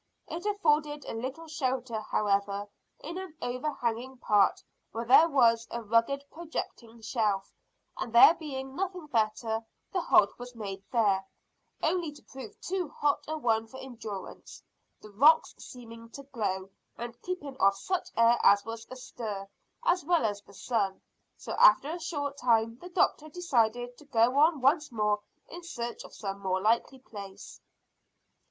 It afforded a little shelter, however, in an overhanging part where there was a rugged projecting shelf, and there being nothing better, the halt was made there, only to prove too hot a one for endurance, the rocks seeming to glow, and keeping off such air as was astir as well as the sun; so after a short time the doctor decided to go on once more in search of some more likely place.